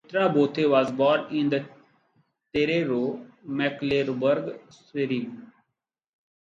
Herta Bothe was born in Teterow, Mecklenburg-Schwerin.